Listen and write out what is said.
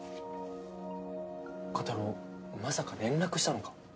コタローまさか連絡したのか？